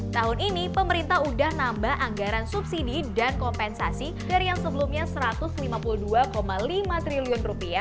tahun ini pemerintah sudah nambah anggaran subsidi dan kompensasi dari yang sebelumnya rp satu ratus lima puluh dua lima triliun